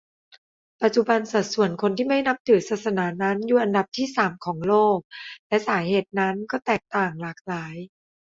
ปัจจุบันสัดส่วนคนที่ไม่นับถือศาสนานั้นอยู่อันดับที่สามของโลก และสาเหตุนั้นก็แตกต่างหลากหลาย